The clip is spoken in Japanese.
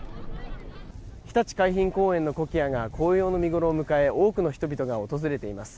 ひたち海浜公園のコキアが紅葉の見頃を迎え多くの人々が訪れています。